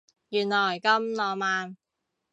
原來咁浪漫